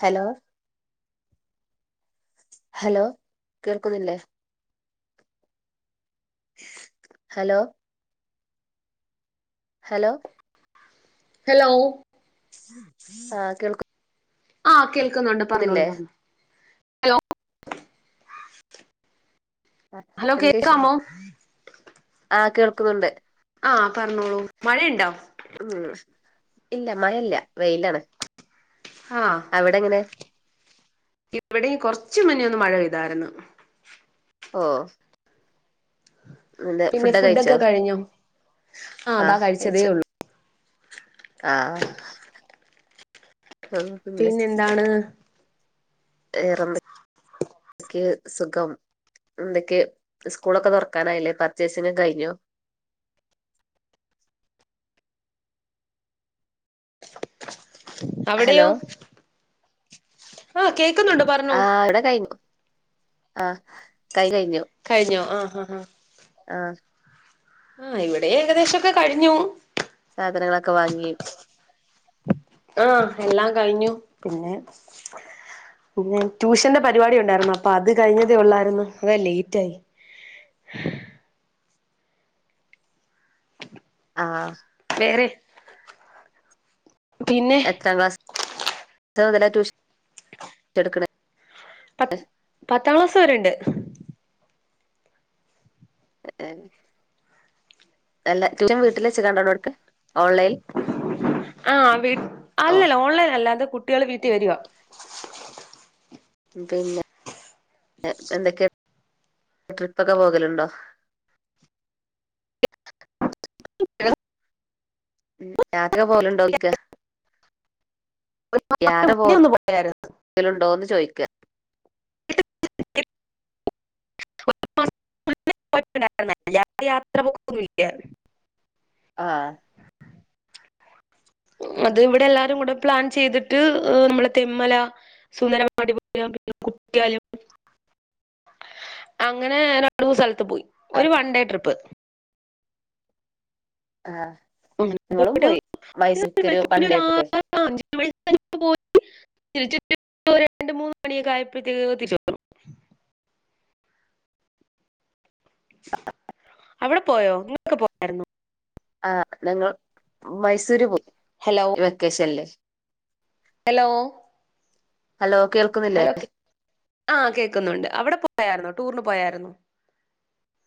Hello hello കേൾക്കുന്നില്ലെ hello hello hello ആഹ് കേൾക്കും ആഹ കേൾക്കുന്നുണ്ട് പറഞ്ഞോളൂ പറഞ്ഞു ഹലോ ഹലോ എന്ത കേക്കാമോ ആ കേൾക്കുന്നുണ്ട് ആഹ പറഞ്ഞോളൂ മഴയുണ്ടോ ഉം ഇല്ല മഴ ഇല്ല വെയിലാണ് ആഹ അവിടെ എങ്ങനെ ഇവിടെയും കൊറച്ച് മുന്നേ ന്ന് മഴ പെയ്താര്ന്ന്. ഓഹ് പിന്നെ ഫുഡൊക്കെ കഴിഞ്ഞു ആ അതാ കഴിച്ചതേ ഒള്ളു ആഹ പിന്നെ എന്താണ് വേറെന്തൊക്കെ സുഖം എന്തൊക്കെ സ്കൂളൊക്കെ തൊറക്കാനായില്ലേ പർച്ചേസിങ് ഒക്കെ കയിഞ്ഞോ [inaudible] ഹലോ അവിടെയോ ആ കേക്ക് ആഹ് ഇവിടെ കയിഞ്ഞു ആഹ കൈ കയിഞ്ഞു അഹ് അഹ് ആഹ ആഹ് ഇവിടെയും ഏകദേശംക്കെ കഴിഞ്ഞു സാധനങ്ങളൊക്കെ വാങ്ങി ആഹ എല്ലാം കഴിഞ്ഞു പിന്നെ പിന്നെ ട്യൂഷന്റെ പരിപാടി ഒണ്ടായിരുന്നു അപ്പൊ അത് കഴിഞ്ഞതേ ഉള്ളായിരുന്നു അത ലേറ്റ് ആയെ [inaudible] [unintelligible] ആഹ് [unintelligible] പിന്നെ എത്ര മുതല്ല ട്യൂഷൻ എടുക്കണെ പ പത്താം ക്ലാസ് വരെണ്ട് എല്ല ട്യൂഷൻ വീട്ടില് വെച്ച ട്ടാണോ എടക്ക [unintelligible] ആ വി ഓ അല്ലല്ല ഓൺലൈൻ അല്ലാതെ കുട്ടികള് വീട്ടിൽ വരിവാ [unintelligible] പിന്നെ ആ എന്തൊക്കെയ ട്രിപ്പൊക്കെ പോകലുണ്ടോ [inaudible] യാത്ര പോവലുണ്ടോലിക്ക യാറ് [unintelligible] ഒന്ന് പോയായിരുന്നു പോലുണ്ടോന്ന് ചോയ്ക്ക [unintelligible] യാത്ര പോക്ക് ഒന്നുല്ല ആഹ അത് ഇവിടെ എല്ലാരും കൂടെ പ്ലാൻ ചെയ്തിട്ട് ഏ നമ്മള് തെമ്മല, സുന്ദരമാടി [unintelligible] പിന്നെ കുട്ടിയാലും [inaudible] അങ്ങനെ രണ്ട് മൂന്ന് സ്ഥലത്ത് പോയി ആഹ് ഒരു വൺ ഡേ ട്രിപ്പ് ആഹ് ഞങ്ങളും പോയിട്ട് പോയി മൈസൂക്കൊരു വെളുപ്പിന് ഒരു വൺഡേ ട്രിപ്പേ ആറ് [unintelligible] തിരിച്ച് എത്തിയപ്പോ രണ്ട് മൂന്ന് മണിയൊക്ക ആയപ്പോഴത്തേക്ക്ത്തിരിച്ചോന്നു [inaudible] അവിടെപ്പോയോ [unintelligible] പോയായിരുന്നു. ആ ഞങ്ങൾ മൈസൂര് പോയി ഹലോ വെക്കേഷൻല്ലേ ഹലോ ഹലോ കേൾക്കുന്നില്ലേ ആ കേക്കുന്നുണ്ട് അവടെ പോയാര്ന്നോ ടൂറിന് പോയാര്ന്നോ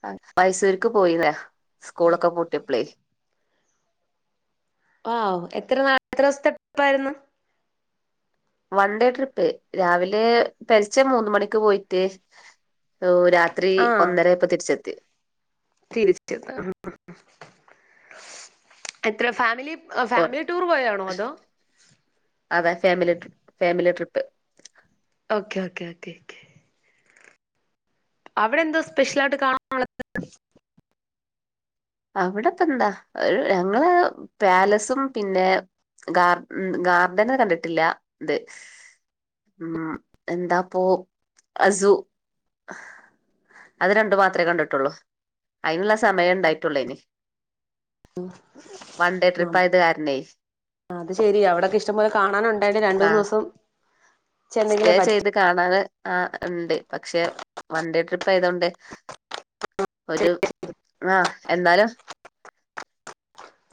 ആ മൈസൂര്ക്ക് പോയിണെ സ്കൂളൊക്കെ പൂട്ടിപ്പളേ ആഹ് എത്ര നാ എത്ര ദിവസത്തെ പ്പായിരുന്നു വൺ ഡേ ട്രിപ്പ് രാവിലെ പെലച്ചെ മൂന്നു മണിക്ക് പോയിട്ട് രാത്രി ഒന്നരായപ്പോ തിരിച്ചെത്തി തിരിച്ചത്താം [unintelligible] എത്ര ഫാമിലി? ഫാമിലി ടൂറ് പോയതാണോ അതോ അതാ family family trip okay okay okay ക്കേ അവിടെന്താ സ്പെഷ്യലായിട്ട് കാണാനുള്ളത്. അവിടെപ്പന്താ ഒരു ഞങ്ങള് പാലസും പിന്നെ ഗാർഡ ഗാർഡന് കണ്ടിട്ടില്ല ഇത് ഉം എന്താപ്പോ അസു അത് രണ്ടു മാത്രമേ കണ്ടിട്ടുള്ളൂ അയിനുള്ള സമയേ ഉണ്ടായിട്ടുള്ളേനി വൺഡേ നം ട്രിപ്പായത് കാരണേ അത് ശെരി അവിടക്കെ ഇഷ്ടംപോലെ കാണാനുണ്ടായിണ്ട് കാ രണ്ടൂന്ന് ദിവസം ചെന്നെങ്കിലേ സ്റ്റേ പറ്റു ചെയ്ത് കാണാന്. ആഹ് ഉണ്ട് പക്ഷെ വൺഡേ ട്രിപ്പായതോണ്ട് ഒരു ആഹ് എന്നാലും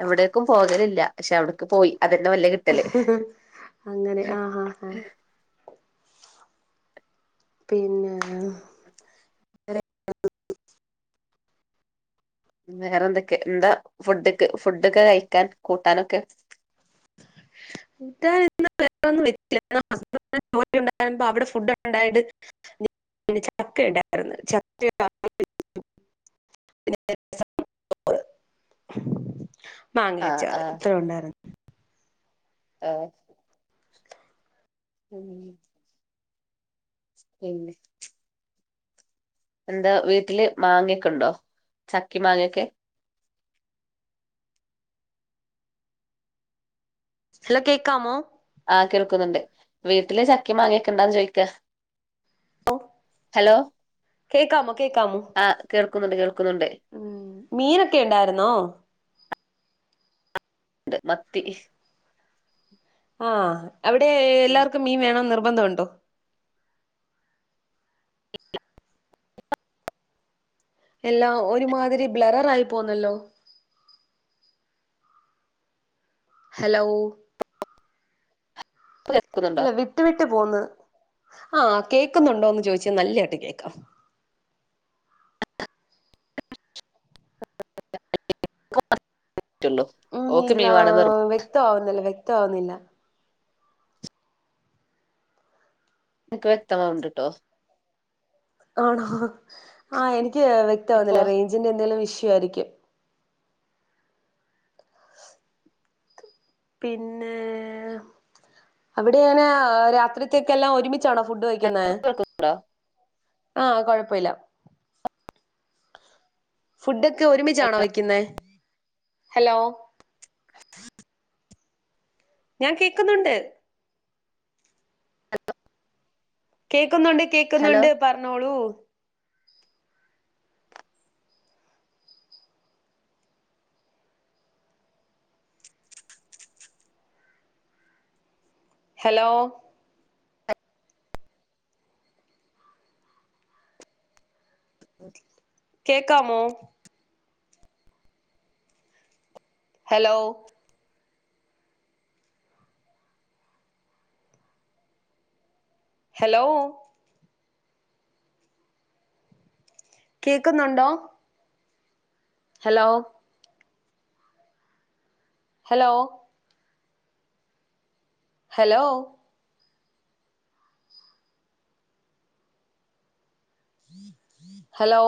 എവിടേക്കും പോകലില്ല പക്ഷെ അവിടക്ക് പോയി അതന്നെ വല്യ കിട്ടല് അങ്ങനെ ആഹ് ആഹ് ആഹ് പിന്നെ വേറെന്തൊക്കെ എന്താ ഫുഡൊക്കെ ഫുഡൊക്കെ കഴിക്കാൻ കൂട്ടാനൊക്കെ? [inaudible] ത ഇ [unintelligible] വേറന്നും [inaudible] വെബ [inaudible] ജോലിണ്ട [inaudible] അവിടെ ഫുഡ് ഉണ്ടായിത് [inaudible] പിന്നെ ചക്ക ഇണ്ടായിരുന്നു ചക്ക [unintelligible] പിന്നെ [inaudible] മാങ്ങയച്ചാറ് ഇത്ര ഉണ്ടായിരുന്നു ആഹ് ഉം പിന്നെ എന്താ വീട്ടില് മാങ്ങയെക്കെണ്ടോ ചക്കേം മാങ്ങൊക്കെ? ഹലോ കേക്കാമോ ആ കേൾക്കുന്നുണ്ട് വീട്ടില് ചക്കേം മാങ്ങേക്കെ ഇണ്ടാന്ന് ചോയിക്ക ഓഹ് ഹലോ കേക്കാമോ കേക്കാമോ ആ കേൾക്കുന്നുണ്ട് കേൾക്കുന്നുണ്ട് ഉം മീനൊക്കെ ണ്ടായിരുന്നോ ണ്ട് മത്തി ആഹ് അവിടെ ഇപ്പൊ എല്ലാർക്കും മീൻ വേണംന്ന് നിർബന്ധമുണ്ടോ? എല്ലാം ഒരുമാതിരി ബ്ലറർ ആയി പോന്നല്ലോ. ഹലോ കേൾക്കുന്നുണ്ടോ ഇല്ല വിട്ട് വിട്ട് പോന്ന് ആഹ് കേക്കുന്നുണ്ടോന്ന് ചോദിച്ചാ നല്ലയായിട്ട് കേക്കാം [unintelligible] ഉം ഓക്ക് ഇല്ല മീൻ വേണം നിർബന്ധം. വ്യക്താവുന്നില്ല വ്യക്താവുന്നില്ല എനക്ക് വ്യക്തമാ ഉണ്ട്ട്ടോ ആണോ ആഹ് എനിക്ക് ഇപ്പൊ വ്യക്താവുന്നില്ല റേഞ്ചിന്റെ എന്തെങ്കിലും വിഷയായിരിക്കും. [unintelligible] പിന്നേ അവിടെ ങ്ങനെ രാത്രിത്തേക്കെല്ലാം ഒരുമി ച്ചാണോ ഫുഡ് കഴിക്കുന്ന ഉണ്ടോ ആഹ് കൊഴപ്പില്ല ഫുഡൊക്കെ ഒരുമിച്ചാണോ വെക്കുന്നത്. ഹലോ.. [inaudible] ഞാൻ കേക്കുന്നുണ്ട് കേക്കുന്നുണ്ട് ഹലോ കേക്കുന്നുണ്ട് പറഞ്ഞോളൂ ഹലോ ഉ കേക്കാമോ ഹലോ ഹലോ കേക്കുന്നുണ്ടോ? Hello hello hello hello